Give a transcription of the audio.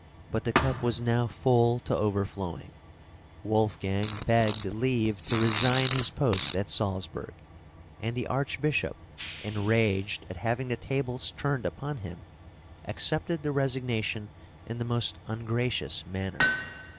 But the cup was now full to overflowing; Wolfgang begged leave to resign his post at Salzburg, and the Archbishop, enraged at having the tables turned upon him, accepted the resignation in the most ungracious manner.